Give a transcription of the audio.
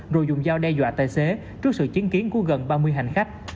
rồi dùng dao đe dọa tài xế trước sự chứng kiến của gần ba mươi hành khách